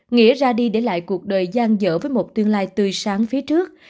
nghĩa ra đi để lại cuộc đời gian dở với một tương lai tươi sáng phía trước